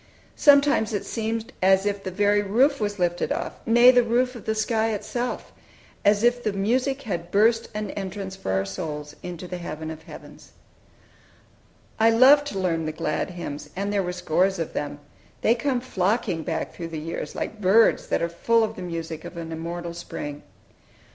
Sometimes it seemed as if the very roof was lifted off, nay, the roof of the sky itself as if the music had burst an entrance for our souls into the heaven of heavens. I loved to learn the glad hymns, and there were scores of them. They come flocking back through the years, like birds that are full of the music of an immortal spring!